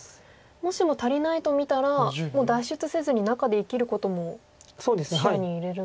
もしも足りないと見たらもう脱出せずに中で生きることも視野に入れるんですか。